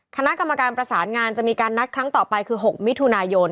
คณะกรรมการประสานงานจะมีการนัดครั้งต่อไปคือ๖มิถุนายน